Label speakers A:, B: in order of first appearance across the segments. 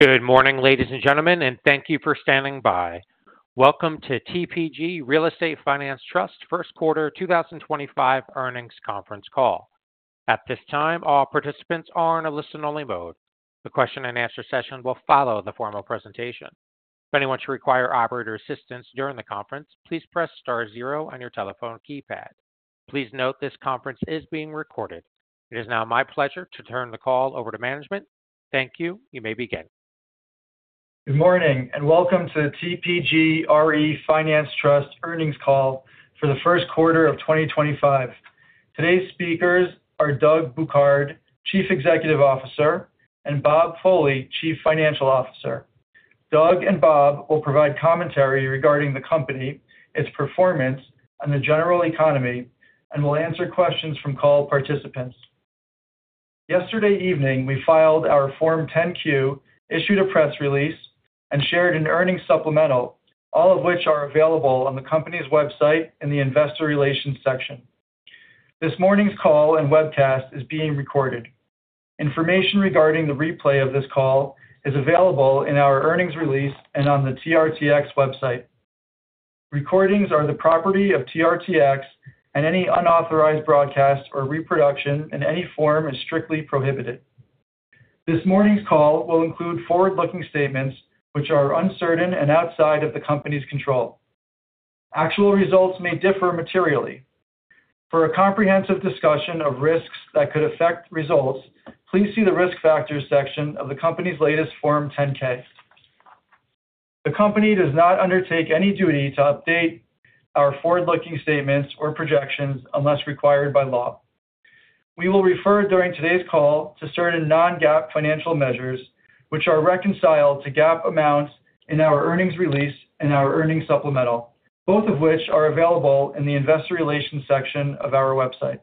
A: Good morning ladies and gentlemen and thank you for standing by. Welcome to TPG Real Estate Finance Trust first quarter 2025 earnings conference call. At this time, all participants are in a listen only mode. The question and answer session will follow the formal presentation. If anyone should require operator assistance during the conference, please press star zero on your telephone keypad. Please note this conference is being recorded. It is now my pleasure to turn the call over to management. Thank you. You may begin.
B: Good morning and welcome to the TPG RE Finance Trust earnings call for the first quarter of 2025. Today's speakers are Doug Bouquard, Chief Executive Officer, and Bob Foley, Chief Financial Officer. Doug and Bob will provide commentary regarding the company, its performance, and the general economy and will answer questions from call participants. Yesterday evening we filed our Form 10-Q, issued a press release, and shared an earnings supplemental, all of which are available on the company's website in the Investor Relations section. This morning's call and webcast is being recorded. Information regarding the replay of this call is available in our earnings release and on the TRTX website. Recordings are the property of TRTX and any unauthorized broadcast or reproduction in any form is strictly prohibited. This morning's call will include forward-looking statements which are uncertain and outside of the company's control. Actual results may differ materially. For a comprehensive discussion of risks that could affect results, please see the Risk Factors section of the company's latest Form 10-K. The company does not undertake any duty to update our forward looking statements or projections unless required by law. We will refer during today's call to certain non GAAP financial measures which are reconciled to GAAP amounts in our earnings release and our earnings supplemental, both of which are available in the Investor Relations section of our website.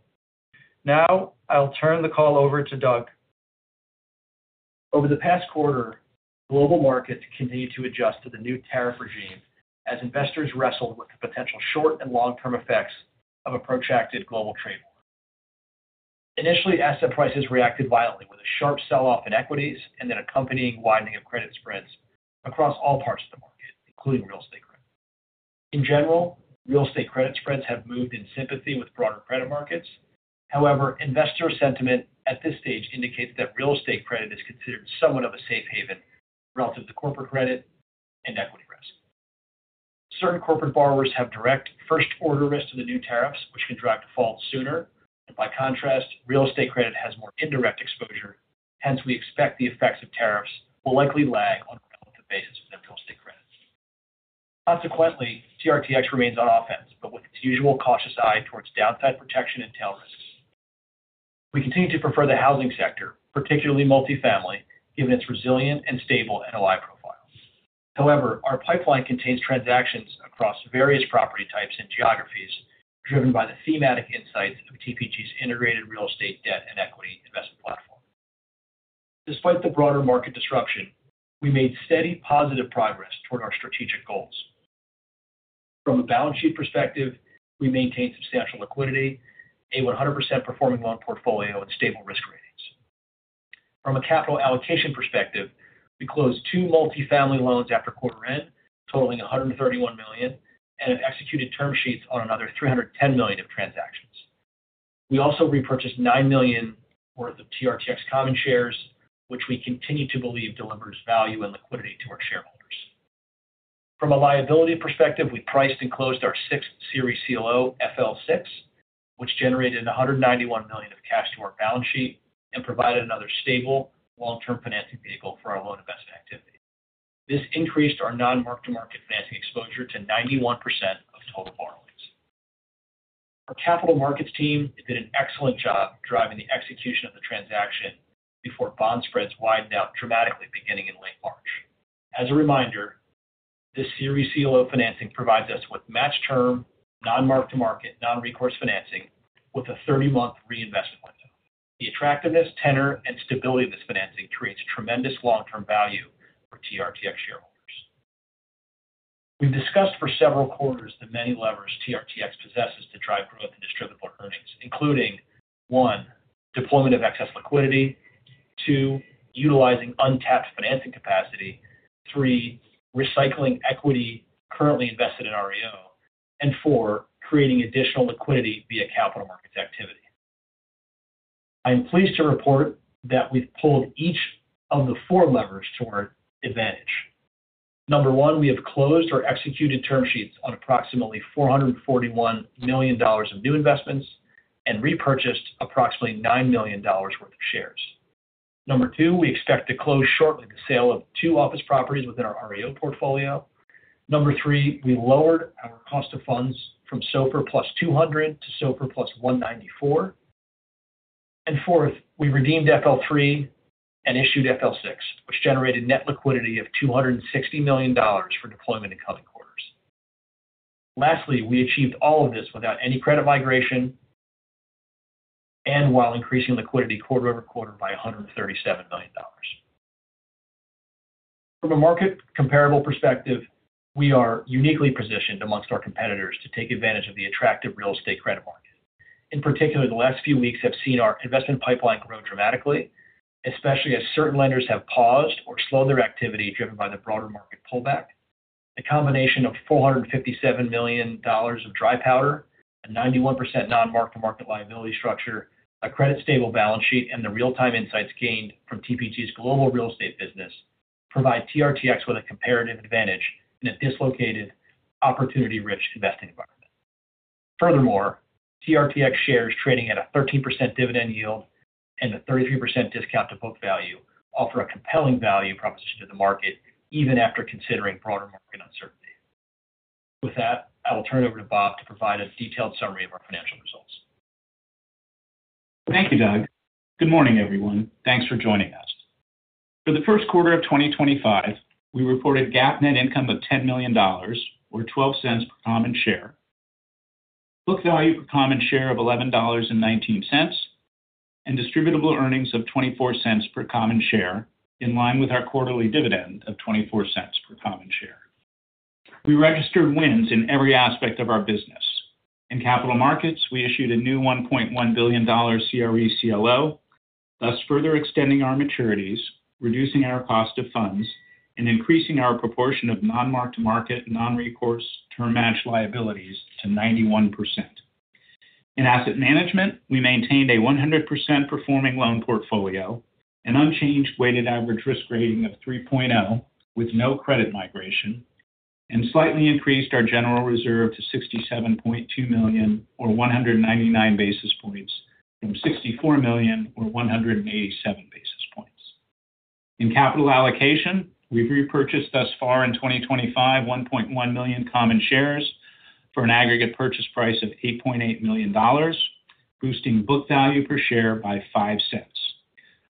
B: Now I'll turn the call over to Doug.
C: Over the past quarter, global markets continued to adjust to the new tariff regime as investors wrestled with the potential short and long term effects of a protracted global trade war. Initially, asset prices reacted violently with a sharp sell off in equities and then accompanying widening of credit spreads across all parts of the market, including real estate credit. In general, real estate credit spreads have moved in sympathy with broader credit markets. However, investor sentiment at this stage indicates that real estate credit is considered somewhat of a safe haven relative to corporate credit and equity risk. Certain corporate borrowers have direct first order risk to the new tariffs which can drive defaults sooner and by contrast, real estate credit has more indirect exposure. Hence, we expect the effects of tariffs will likely lag on a relative basis for their real estate credit. Consequently, TRTX remains on offense but with its usual cautious eye towards downside protection and tail risks. We continue to prefer the housing sector, particularly multifamily, given its resilient and stable NOI profile. However, our pipeline contains transactions across various property types and geographies driven by the thematic insights of TPG's integrated real estate debt and equity investment platform. Despite the broader market disruption, we made steady positive progress toward our strategic goals. From a balance sheet perspective, we maintain substantial liquidity, a 100% performing loan portfolio, and stable risk ratings. From a capital allocation perspective, we closed two multifamily loans after quarter end totaling $131 million and executed term sheets on another $310 million of transactions. We also repurchased $9 million worth of TRTX common shares, which we continue to believe delivers value and liquidity to our shareholders. From a liability perspective, we priced and closed our sixth series CLO FL6 which generated $191 million of cash to our balance sheet and provided another stable long term financing vehicle for our loan investment activity. This increased our non mark to market financing exposure to 91% of total borrowings. Our capital markets team did an excellent job driving the execution of the transaction before bond spreads widened out dramatically beginning in late March. As a reminder, this Series CLO financing provides us with match term non mark to market non recourse financing with a 30 month reinvestment window. The attractiveness, tenor and stability of this financing creates tremendous long term value for TRTX shareholders. We've discussed for several quarters the many levers TRTX possesses to drive growth in distributable earnings including one, deployment of excess liquidity, two, utilizing untapped financing capacity, three, recycling equity currently invested in REO, and four, creating additional liquidity via capital markets activity. I am pleased to report that we've pulled each of the four levers to our advantage. Number one, we have closed or executed term sheets on approximately $441 million of new investments and repurchased approximately $9 million worth of common shares. Number two, we expect to close shortly the sale of two office properties within our REO portfolio. Number three, we lowered our cost of funds from SOFR plus 200 basis points to SOFR plus 194 basis points, and fourth, we redeemed FL3 and issued FL6, which generated net liquidity of $260 million for deployment in coming quarters. Lastly, we achieved all of this without any credit migration and while increasing liquidity quarter over quarter by $137 million. From a market comparable perspective, we are uniquely positioned amongst our competitors to take advantage of the attractive real estate credit market. In particular, the last few weeks have seen our investment pipeline grow dramatically, especially as certain lenders have paused or slowed their activity driven by the broader market pullback. The combination of $457 million of dry powder, a 91% non mark to market liability structure, a credit stable balance sheet and the real time insights gained from TPG's global real estate business provide TRTX with a comparative advantage in a dislocated opportunity rich investing environment. Furthermore, TRTX shares trading at a 13% dividend yield and a 33% discount to book value offer a compelling value proposition to the market even after considering broader market and uncertainty. With that, I will turn it over to Bob to provide a detailed summary of our financial results.
D: Thank you, Doug. Good morning, everyone. Thanks for joining us. For the first quarter of 2025, we reported GAAP net income of $10 million or $0.12 per common share, book value per common share of $11.19, and distributable earnings of $0.24 per common share. In line with our quarterly dividend of $0.24 per common share, we registered wins in every aspect of our business. In capital markets, we issued a new $1.1 billion CRE CLO, thus further extending our maturities, reducing our cost of funds, and increasing our proportion of non mark to market non recourse term match liabilities to 91%. In asset management, we maintained a 100% performing loan portfolio, an unchanged weighted average risk rating of 3.0 with no credit migration, and slightly increased our General Reserve to $67.2 million or 199 basis points from $64 million or 187 basis points. In capital allocation we've repurchased thus far in 2025 1.1 million common shares for an aggregate purchase price of $8.8 million, boosting book value per share by $0.05.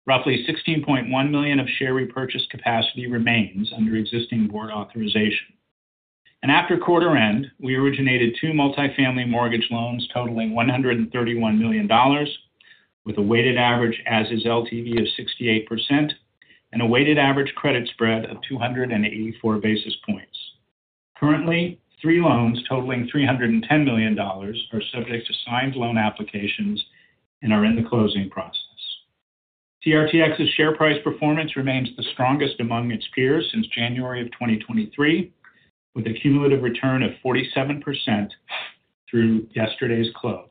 D: Roughly $16.1 million of share repurchase capacity remains under existing board authorization and after quarter end we originated two multifamily mortgage loans totaling $131 million with a weighted average as is LTV of 68% and a weighted average credit spread of 284 basis points. Currently, three loans totaling $310 million are subject to signed loan applications and are in the closing process. TRTX's share price performance remains the strongest among its peers since January of 2023, with a cumulative return of 47% through yesterday's close.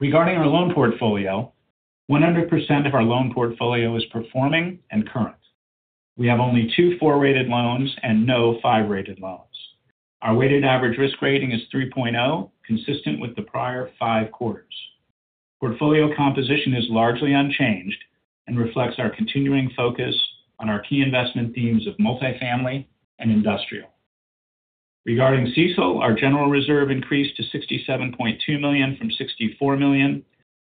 D: Regarding our loan portfolio, 100% of our loan portfolio is performing and current. We have only two 4-rated loans and no 5-rated loans. Our weighted average risk rating is 3.0, consistent with the prior five quarters. Portfolio composition is largely unchanged and reflects our continuing focus on our key investment themes of multifamily and industrial. Regarding CECL, our general reserve increased to $67.2 million from $64 million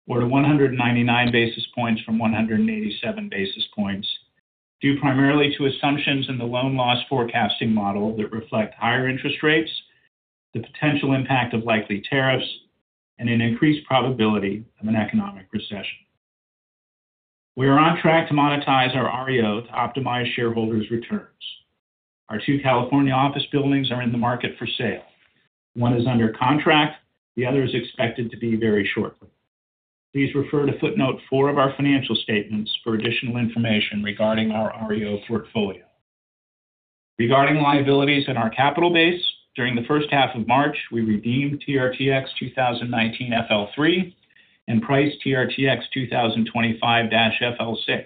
D: or to 199 basis points from 187 basis points. Due primarily to assumptions in the loan loss forecasting model that reflect higher interest rates, the potential impact of likely tariffs and an increased probability of an economic recession, we are on track to monetize our REO to optimize shareholders' returns. Our two California office buildings are in the market for sale. One is under contract, the other is expected to be very shortly. Please refer to footnote four of our financial statements for additional information regarding our REO portfolio. Regarding liabilities in our capital base during the first half of March we redeemed TRTX 2019 FL3 and priced TRTX 2025 FL6,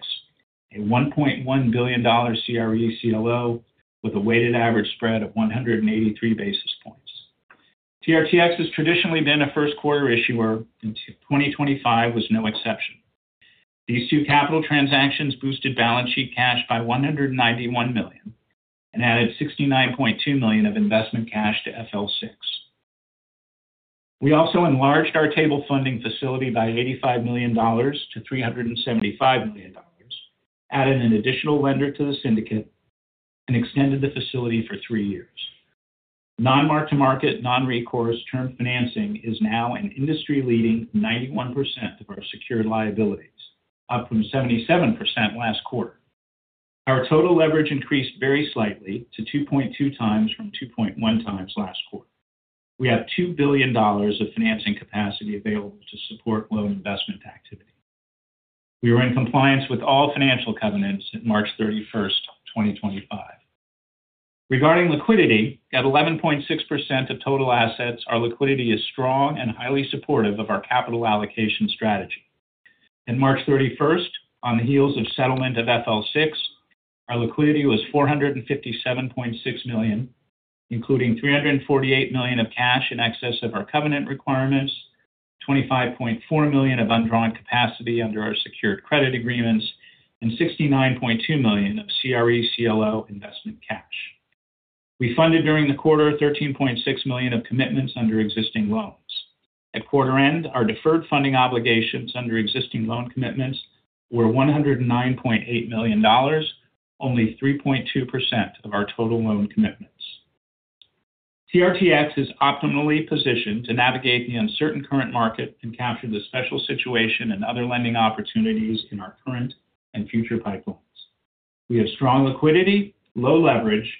D: a $1.1 billion CRE CLO with a weighted average spread of 183 basis points. TRTX has traditionally been a first quarter issuer and 2025 was no exception. These two capital transactions boosted balance sheet cash by $191 million and added $69.2 million of investment cash to FL6. We also enlarged our table funding facility by $85 million to $375 million, added an additional lender to the syndicate and extended the facility for three years. Non mark to market non recourse term financing is now an industry leading 91% of our secured liabilities, up from 77% last quarter. Our total leverage increased very slightly to 2.2x from 2.1x last quarter. We have $2 billion of financing capacity available to support loan investment activity. We were in compliance with all financial covenants at March 31, 2025 regarding liquidity at 11.6% of total assets. Our liquidity is strong and highly supportive of our capital allocation strategy and March 31, on the heels of settlement of FL6, our liquidity was $457.6 million including $348 million of cash in excess of our covenant requirements, $25.4 million of undrawn capacity under our secured credit agreements and $69.2 million of CRE CLO investment cash we funded during the quarter, $13.6 million of commitments under existing loans. At quarter end our deferred funding obligations under existing loan commitments were $109.8 million, only 3.2% of our total loan commitments. TRTX is optimally positioned to navigate the uncertain current market and capture the special situation and other lending opportunities in our current and future pipelines. We have strong liquidity, low leverage,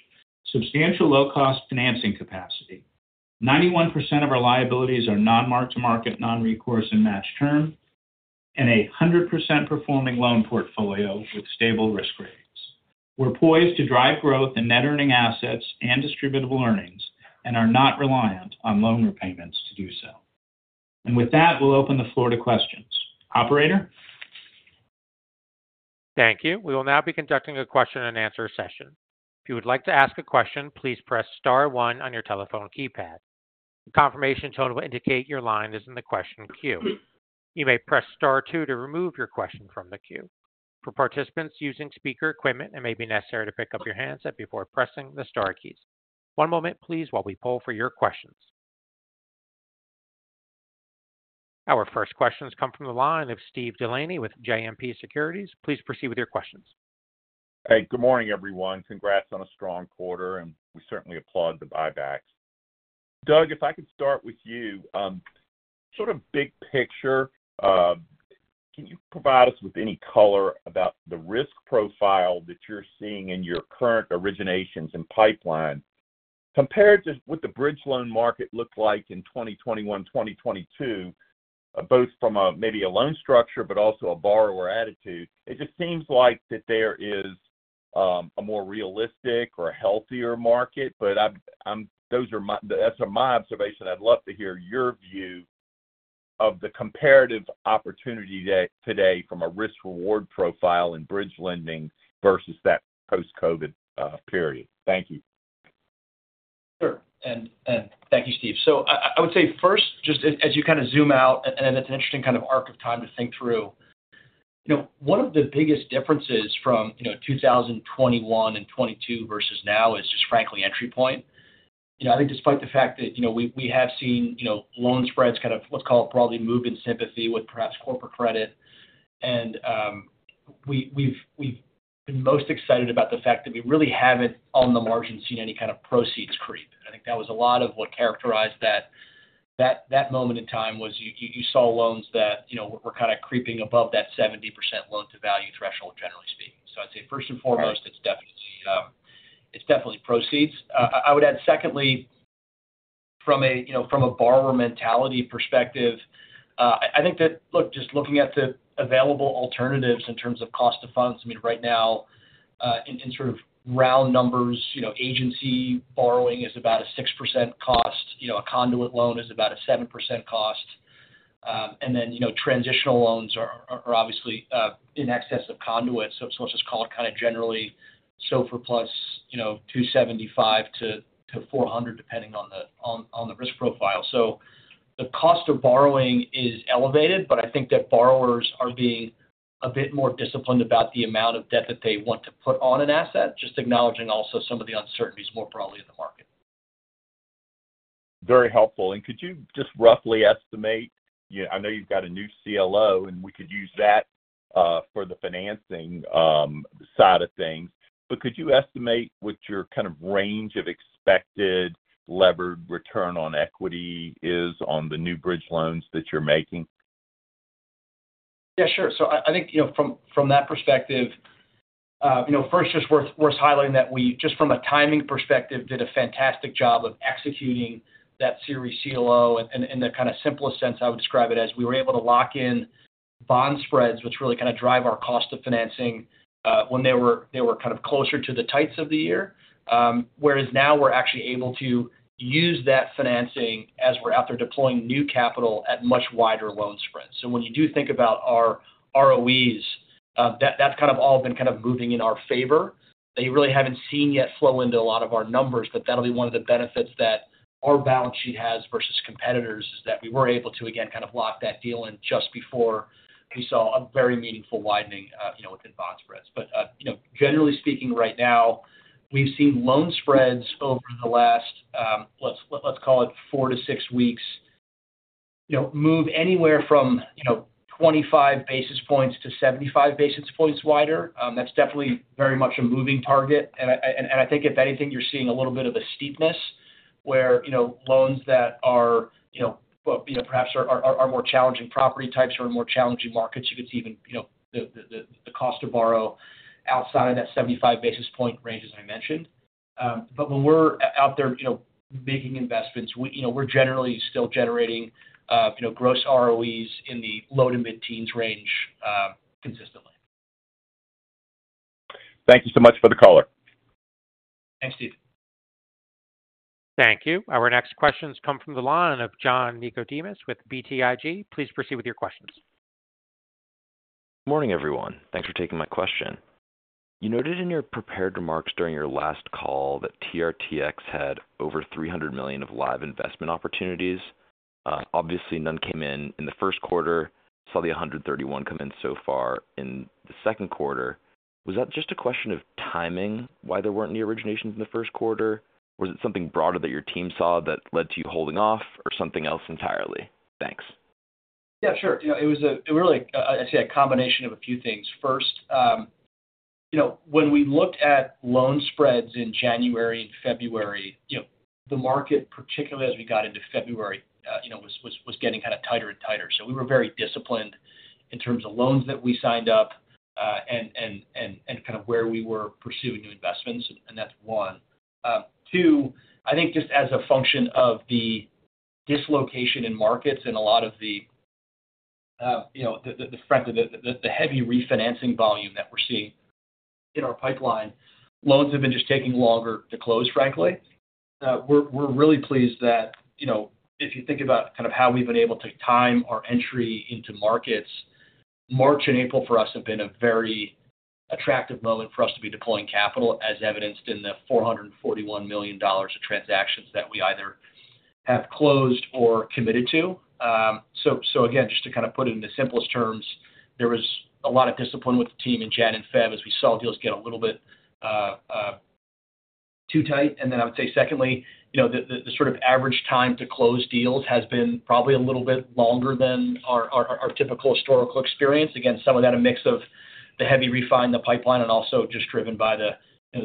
D: substantial low cost financing capacity. 91% of our liabilities are non mark to market, non recourse and match term and a 100% performing loan portfolio with stable risk ratings. We are poised to drive growth in net earning assets and distributable earnings and are not reliant on loan repayments to do so. With that, we will open the floor to questions. Operator.
A: Thank you. We will now be conducting a question and answer session. If you would like to ask a question, please press star one on your telephone keypad. The confirmation tone will indicate your line is in the question queue. You may press star two to remove your question from the queue. For participants using speaker equipment, it may be necessary to pick up your handset before pressing the star keys. One moment please, while we poll for your questions. Our first questions come from the line of Steve Delaney with JMP Securities. Please proceed with your questions.
E: Hey, good morning everyone. Congrats on a strong quarter and we certainly applaud the buybacks. Doug, if I could start with you. Sort of big picture. Can you provide us with any color about the risk profile that you're seeing in your current originations and pipeline compared to what the bridge loan market looked like in 2021? 2022, both from maybe a loan structure but also a borrower attitude. It just seems like that there is a more realistic or healthier market. That's my observation. I'd love to hear your view of the comparative opportunity today from a risk reward profile in bridge lending versus that post COVID period. Thank you.
C: Sure. Thank you, Steve. I would say first, just as you kind of zoom out and it's an interesting kind of arc of time to think through, you know, one of the biggest differences from, you know, 2021 and 2022 versus now is just frankly entry point. I think despite the fact that, you know, we have seen, you know, loan spreads kind of, let's call it probably move in sympathy with perhaps corporate credit. We've been most excited about the fact that we really haven't on the margin seen any kind of proceeds creep. I think that was a lot of what characterized that moment in time was you saw loans that, you know, were kind of creeping above that 70% loan to value threshold, generally speaking. I'd say first and foremost it's definitely, it's definitely proceeds. I would add secondly, from a, you know, from a borrower mentality perspective, I think that, look, just looking at the available alternatives in terms of cost of funds, I mean right now in sort of round numbers, you know, agency borrowing is about a 6% cost. You know, a conduit loan is about a 7% cost. And then, you know, transitional loans are obviously in excess of conduit. Let's just call it kind of generally SOFR plus, you know, 275 basis points-400 basis points depending on the risk profile. The cost of borrowing is elevated, but I think that borrowers are being a bit more disciplined about the amount of debt that they want to put on an asset. Just acknowledging also some of the uncertainties more broadly in the market.
E: Very helpful. Could you just roughly estimate, I know you've got a new CLO and we could use that for the financing side of things, but could you estimate what your kind of range of expected levered return on equity is on the new bridge loans that you're making?
C: Yeah, sure. I think, you know, from that perspective, first, just worth highlighting that we just from a timing perspective did a fantastic job of executing that series CLO. In the kind of simplest sense, I would describe it as we were able to lock in bond spreads which really kind of drive our cost of financing when they were kind of closer to the tights of the year. Whereas now we're actually able to use that financing as we're out there deploying new capital at much wider loan spreads. When you do think about our ROEs, that's kind of all been kind of moving in our favor. They really haven't seen yet flow into a lot of our numbers. That will be one of the benefits that our balance sheet has versus competitors is that we were able to again kind of lock that deal in just before we saw a very meaningful widening within bond spreads. Generally speaking, right now we've seen loan spreads over the last, let's call it four to six weeks, you know, move anywhere from, you know, 25 basis points-75 basis points wider. That's definitely very much a moving target. I think if anything, you're seeing a little bit of a steepness where, you know, loans that are, you know, perhaps are more challenging, property types are in more challenging markets. You could see even, you know, the cost to borrow outside of that 75 basis point range, as I mentioned. When we're out there, you know, making investments, you know, we're generally still generating, you know, gross ROEs in the low to mid teens range consistently.
E: Thank you so much for the color.
C: Thanks, Steven.
A: Thank you. Our next questions come from the line of John Nickodemus with BTIG. Please proceed with your questions.
F: Morning everyone. Thanks for taking my question. You noted in your prepared remarks during your last call that TRTX had opened over $300 million of live investment opportunities. Obviously none came in in the first quarter. Saw the $131 million come in so far in the second quarter. Was that just a question of timing, why there were not any originations in the first quarter? Or is it something broader that your team saw that led to you holding off or something else entirely?
C: Thanks. Yeah, sure. It was really, I'd say a combination of a few things. First, when we looked at loan spreads in January and February, the market, particularly as we got into February, was getting kind of tighter and tighter. We were very disciplined in terms of loans that we signed up and kind of where we were pursuing new investments. That's one. Two, I think just as a function of the dislocation in markets and a lot of the, frankly, the heavy refinancing volume that we're seeing, our pipeline loans have been just taking longer to close. Frankly, we're really pleased that, you know, if you think about kind of how we've been able to time our entry into markets, March and April for us have been a very attractive moment for us to be deploying capital, as evidenced in the $441 million of transactions that we either have closed or committed to. So. Again, just to kind of put. In the simplest terms, there was a lot of discipline with the team in January and February as we saw deals get a little bit too tight. I would say secondly, you know, the sort of average time to close deals has been probably a little bit longer than our typical historical experience. Again, some of that a mix of the heavy refi in the pipeline and also just driven by the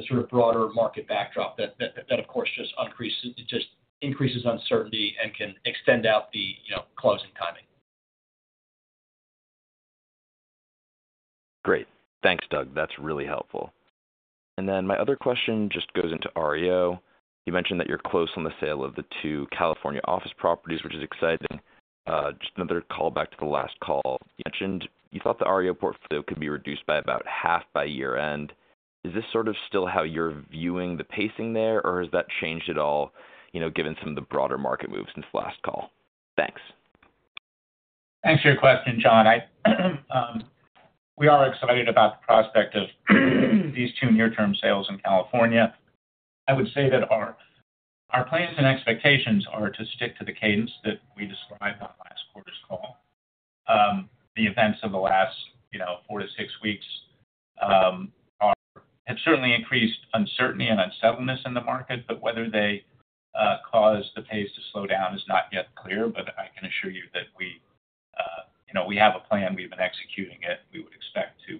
C: sort of broader market backdrop that of course just increases, it just increases uncertainty and can extend out the closing timing.
F: Great. Thanks, Doug, that's really helpful. My other question just goes into REO. You mentioned that you're close on the sale of the two California office properties, which is exciting. Just another call back to the last call. You mentioned you thought the REO portfolio could be reduced by about half by year end. Is this sort of still how you're viewing the pacing there or has that changed at all? You know, given some of the broader market moves since last call? Thanks.
D: Thanks for your question, John. We are excited about the prospect of these two near term sales in California. I would say that our plans and expectations are to stick to the cadence that we described on last quarter's call. The events of the last four to six weeks have certainly increased uncertainty and unsettledness in the market. Whether they caused the pace to slow down is not yet clear. I can assure you that we, you know, we have a plan, we've been executing it. We would expect to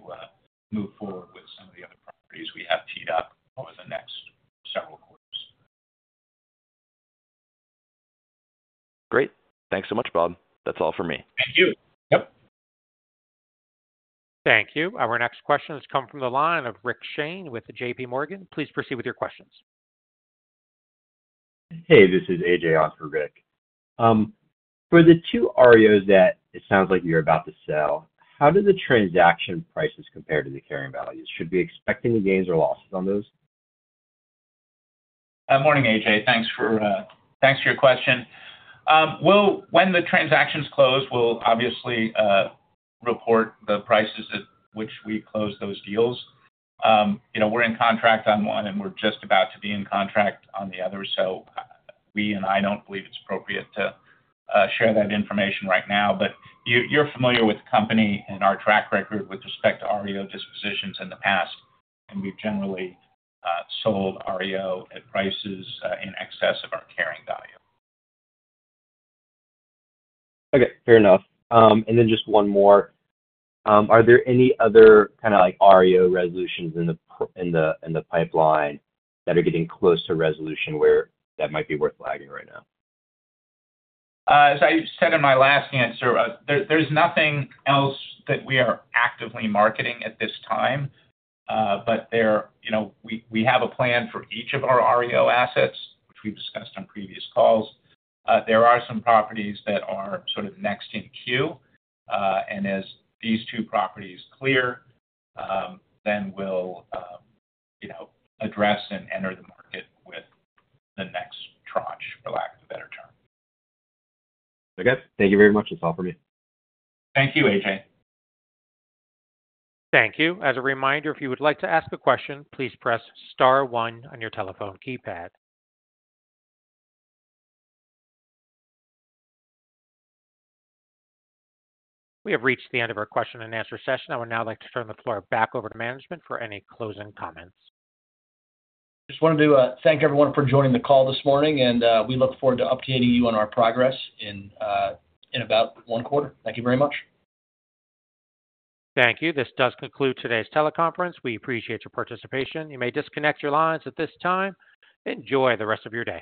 D: move forward with some of the other properties we have teed up over the next several quarters.
F: Great. Thanks so much, Bob. That's all for me.
D: Thank you. Yep.
A: Thank you. Our next question has come from the line of Rick Shane with JP Morgan. Please proceed with your questions.
G: Hey, this is AJ on for Rick. For the two REOs that it sounds like you're about to sell, how do the transaction prices compare to the carrying values? Should we expect any gains or losses on those?
D: Morning, A.J., thanks for your question. When the transactions close, we'll obviously report the prices at which we close those deals. You know, we're in contract on one and we're just about to be in contract on the other. I don't believe it's appropriate to share that information right now, but you're familiar with the company and our track record with respect to REO dispositions in the past and we've generally sold REO at prices in excess of our carrying value.
G: Okay, fair enough. And then just one more. Are there any other kind of like, REO resolutions in the pipeline that are getting close to resolution where that might. Be worth lagging right now?
D: As I said in my last answer, there's nothing else that we are actively marketing at this time. You know, we have a plan for each of our REO assets which we've discussed on previous calls. There are some properties that are sort of next in queue. As these two properties clear, you know, we'll address and enter the market with the next tranche, for lack of a better term.
G: Okay, thank you very much. That's all for me.
D: Thank you, AJ.
A: Thank you. As a reminder, if you would like to ask a question, please press Star one on your telephone keypad. We have reached the end of our question and answer session. I would now like to turn the floor back over to management for any closing comments.
C: Just wanted to thank everyone for joining the call this morning and we look forward to updating you on our progress in about one quarter. Thank you very much.
A: Thank you. This does conclude today's teleconference. We appreciate your participation. You may disconnect your lines at this time. Enjoy the rest of your day.